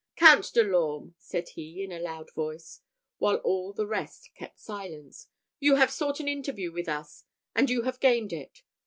"Count de l'Orme," said he, in a loud voice, while all the rest kept silence, "you have sought an interview with us, and you have gained it.